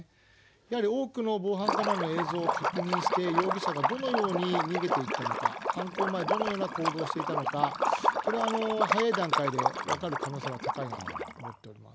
やはり多くの防犯カメラの映像を確認して、容疑者がどのように逃げていったのか、犯行前、どのような行動をしていたのか、これ、早い段階で分かる可能性は高いなと思っております。